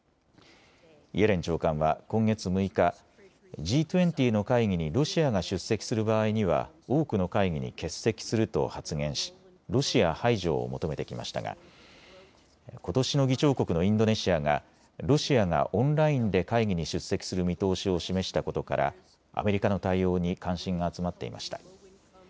イエレン長官は今月６日、Ｇ２０の会議にロシアが出席する場合には多くの会議に欠席すると発言しロシア排除を求めてきましたがことしの議長国のインドネシアがロシアがオンラインで会議に出席する見通しを示したことからアメリカの対応に関心が集まっていました。